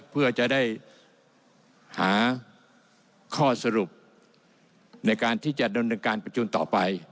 เพื่อจะได้หาข้อสรุปในการที่จะดำเนินการประชุมต่อไป